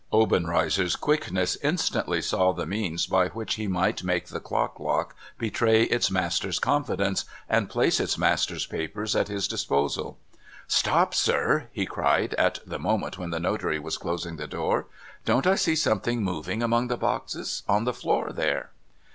Obenreizer's quickness instantly saw the means by which he might make the clock lock betray its master's confidence, and place its master's papers at his disposal. ' Stop, sir !' he cried, at the moment when the notary was closing the door. ' Don't I see something moving among the boxes — on the floor there